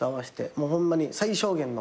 ホンマに最小限の。